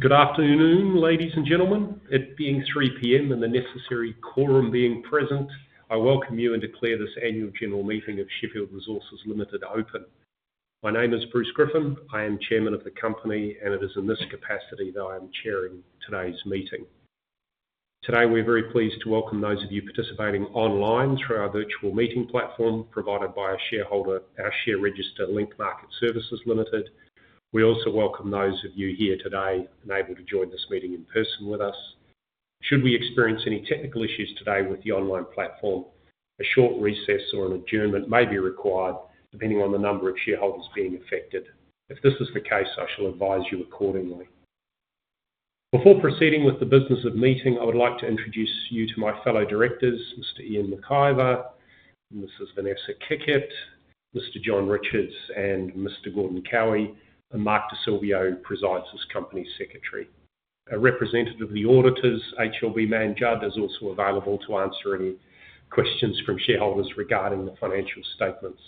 Good afternoon, ladies and gentlemen. It being 3:00 P.M. and the necessary quorum being present, I welcome you and declare this Annual General Meeting of Sheffield Resources Limited open. My name is Bruce Griffin. I am Chairman of the Company, and it is in this capacity that I am chairing today's meeting. Today, we're very pleased to welcome those of you participating online through our virtual meeting platform provided by our shareholder, our share register, Link Market Services Limited. We also welcome those of you here today unable to join this meeting in person with us. Should we experience any technical issues today with the online platform, a short recess or an adjournment may be required, depending on the number of shareholders being affected. If this is the case, I shall advise you accordingly. Before proceeding with the business of meeting, I would like to introduce you to my fellow directors, Mr. Ian MacIiver, Mrs. Vanessa Kickett, Mr. John Richards, and Mr. Gordon Cowie. Mark Di Silvio presides as Company Secretary. A representative of the auditors, HLB Mann Judd, is also available to answer any questions from shareholders regarding the financial statements.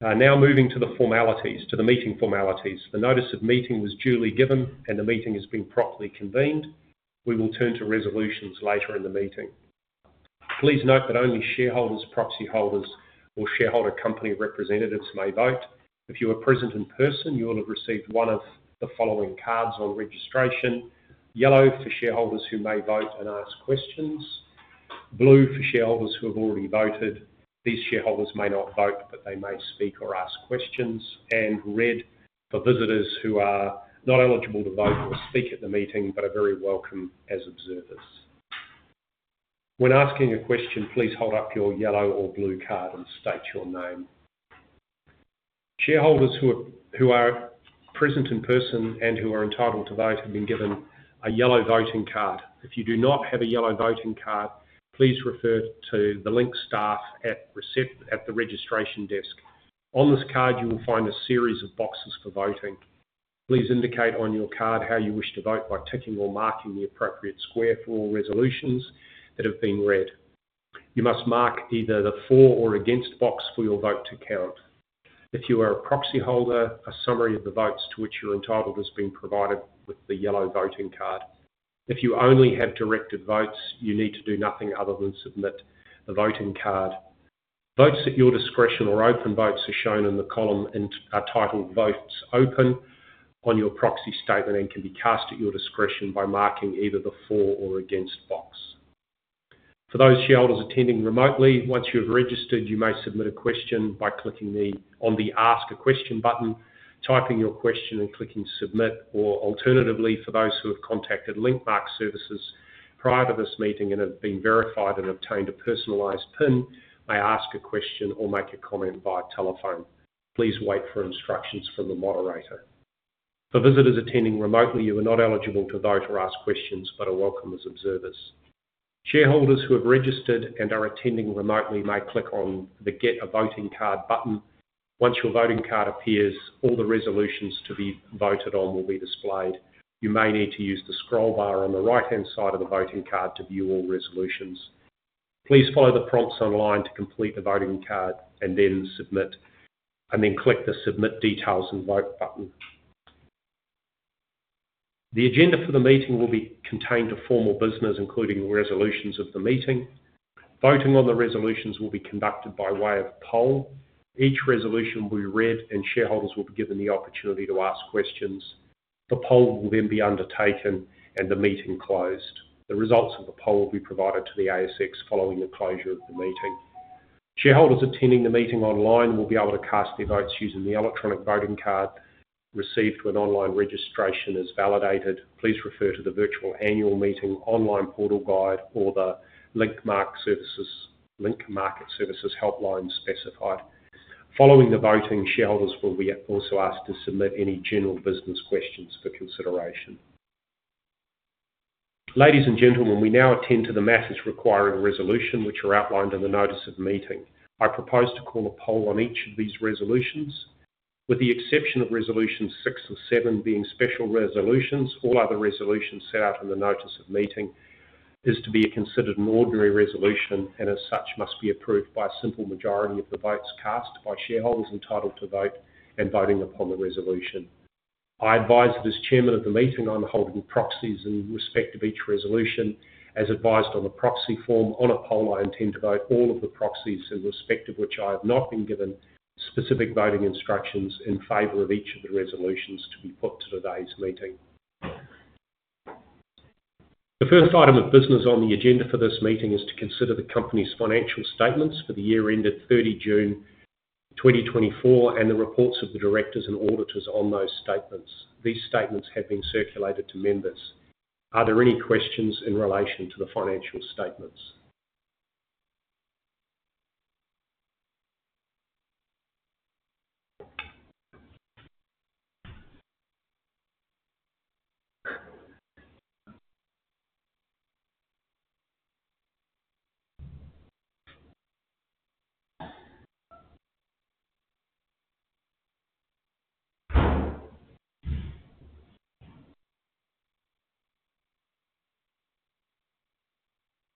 Now, moving to the formalities, to the meeting formalities. The notice of meeting was duly given, and the meeting has been properly convened. We will turn to resolutions later in the meeting. Please note that only shareholders, proxy holders, or shareholder company representatives may vote. If you are present in person, you will have received one of the following cards on registration: yellow for shareholders who may vote and ask questions, blue for shareholders who have already voted. These shareholders may not vote, but they may speak or ask questions and red for visitors who are not eligible to vote or speak at the meeting but are very welcome as observers. When asking a question, please hold up your yellow or blue card and state your name. Shareholders who are present in person and who are entitled to vote have been given a yellow voting card. If you do not have a yellow voting card, please refer to the Link staff at the registration desk. On this card, you will find a series of boxes for voting. Please indicate on your card how you wish to vote by ticking or marking the appropriate square for all resolutions that have been read. You must mark either the for or against box for your vote to count. If you are a proxy holder, a summary of the votes to which you're entitled has been provided with the yellow voting card. If you only have directed votes, you need to do nothing other than submit the voting card. Votes at your discretion or open votes are shown in the column and are titled "Votes Open" on your proxy statement and can be cast at your discretion by marking either the for or against box. For those shareholders attending remotely, once you have registered, you may submit a question by clicking on the "Ask a Question" button, typing your question, and clicking "Submit." Alternatively, for those who have contacted Link Market Services prior to this meeting and have been verified and obtained a personalized PIN, may ask a question or make a comment by telephone. Please wait for instructions from the moderator. For visitors attending remotely, you are not eligible to vote or ask questions but are welcome as observers. Shareholders who have registered and are attending remotely may click on the "Get a Voting Card" button. Once your voting card appears, all the resolutions to be voted on will be displayed. You may need to use the scroll bar on the right-hand side of the voting card to view all resolutions. Please follow the prompts online to complete the voting card and then submit, and then click the "Submit Details and Vote" button. The agenda for the meeting will be contained to formal business, including the resolutions of the meeting. Voting on the resolutions will be conducted by way of poll. Each resolution will be read, and shareholders will be given the opportunity to ask questions. The poll will then be undertaken, and the meeting closed. The results of the poll will be provided to the ASX following the closure of the meeting. Shareholders attending the meeting online will be able to cast their votes using the electronic voting card received when online registration is validated. Please refer to the virtual annual meeting online portal guide or the Link Market Services helpline specified. Following the voting, shareholders will be also asked to submit any general business questions for consideration. Ladies and gentlemen, we now attend to the matters requiring resolution, which are outlined in the notice of meeting. I propose to call a poll on each of these resolutions. With the exception of resolutions six and seven being special resolutions, all other resolutions set out in the notice of meeting are to be considered an ordinary resolution, and as such must be approved by a simple majority of the votes cast by shareholders entitled to vote and voting upon the resolution. I advise that as Chairman of the meeting, I'm holding proxies in respect of each resolution. As advised on the proxy form on a poll, I intend to vote all of the proxies in respect of which I have not been given specific voting instructions in favor of each of the resolutions to be put to today's meeting. The first item of business on the agenda for this meeting is to consider the Company's financial statements for the year ended June 30th, 2024 and the reports of the directors and auditors on those statements. These statements have been circulated to members. Are there any questions in relation to the financial statements?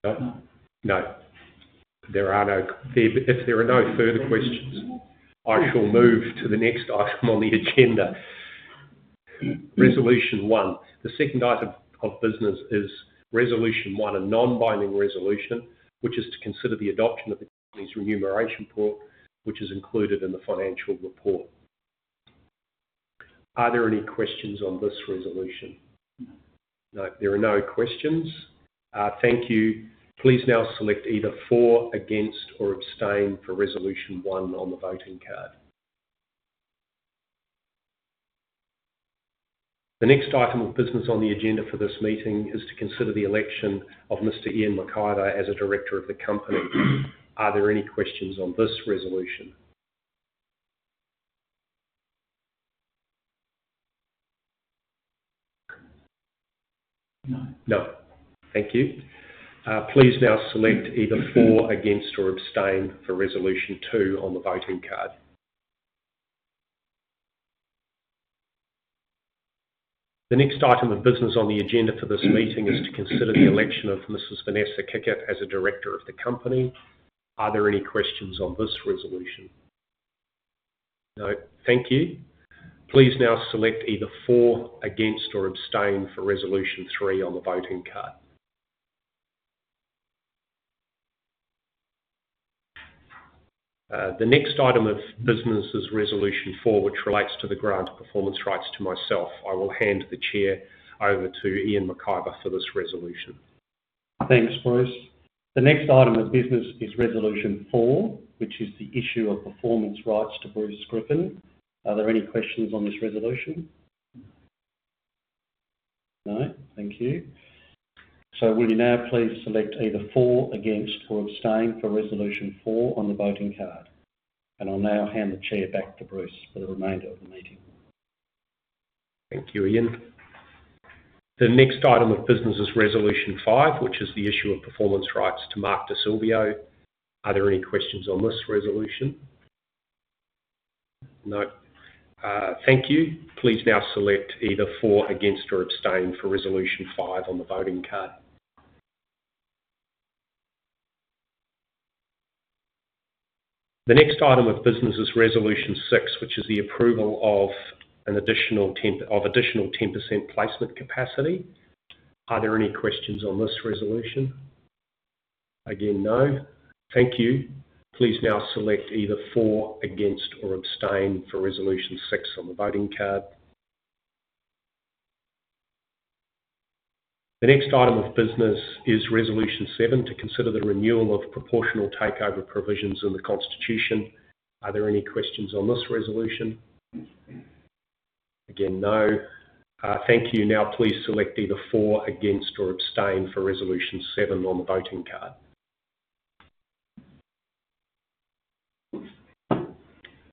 No. No. There are no further questions. I shall move to the next item on the agenda, Resolution One. The second item of business is Resolution One, a non-binding resolution, which is to consider the adoption of the Company's remuneration report, which is included in the financial report. Are there any questions on this resolution? No. There are no questions. Thank you. Please now select either for, against, or abstain for Resolution One on the voting card. The next item of business on the agenda for this meeting is to consider the election of Mr. Ian MacIiver as a director of the Company. Are there any questions on this resolution? No. Thank you. Please now select either for, against, or abstain for Resolution Two on the voting card. The next item of business on the agenda for this meeting is to consider the election of Mrs. Vanessa Kickett as a director of the Company. Are there any questions on this resolution? No. Thank you. Please now select either for, against, or abstain for Resolution Three on the voting card. The next item of business is Resolution Four, which relates to the grant of performance rights to myself. I will hand the chair over to Ian MacIiver for this resolution. Thanks, Bruce. The next item of business is Resolution Four, which is the issue of performance rights to Bruce Griffin. Are there any questions on this resolution? No. Thank you. So will you now please select either for, against, or abstain for Resolution Four on the voting card? And I'll now hand the chair back to Bruce for the remainder of the meeting. Thank you, Ian. The next item of business is Resolution Five, which is the issue of performance rights to Mark Di Silvio. Are there any questions on this resolution? No. Thank you. Please now select either for, against, or abstain for Resolution Five on the voting card. The next item of business is Resolution Six, which is the approval of an additional 10% placement capacity. Are there any questions on this resolution? Again, no. Thank you. Please now select either for, against, or abstain for Resolution Six on the voting card. The next item of business is Resolution Seven, to consider the renewal of proportional takeover provisions in the Constitution. Are there any questions on this resolution? Again, no. Thank you. Now, please select either for, against, or abstain for Resolution Seven on the voting card.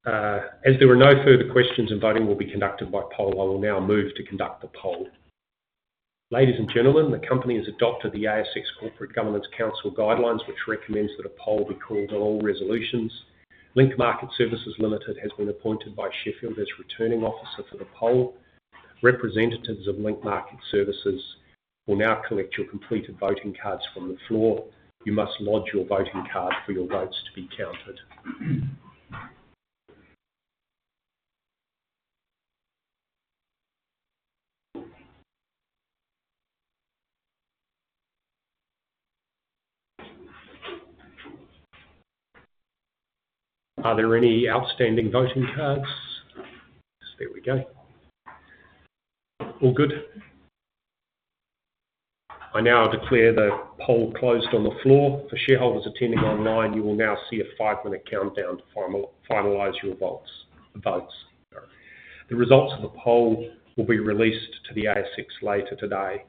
As there are no further questions and voting will be conducted by poll, I will now move to conduct the poll. Ladies and gentlemen, the Company has adopted the ASX Corporate Governance Council guidelines, which recommends that a poll be called on all resolutions. Link Market Services Limited has been appointed by Sheffield as returning officer for the poll. Representatives of Link Market Services will now collect your completed voting cards from the floor. You must lodge your voting card for your votes to be counted. Are there any outstanding voting cards? There we go. All good. I now declare the poll closed on the floor. For shareholders attending online, you will now see a five-minute countdown to finalize your votes. The results of the poll will be released to the ASX later today.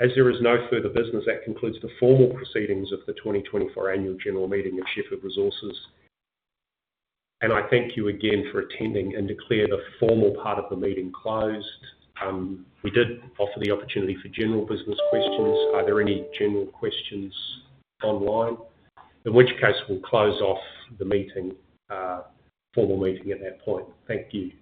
As there is no further business, that concludes the formal proceedings of the 2024 Annual General Meeting of Sheffield Resources. And I thank you again for attending and declare the formal part of the meeting closed. We did offer the opportunity for general business questions. Are there any general questions online? In which case, we'll close off the meeting, formal meeting at that point. Thank you.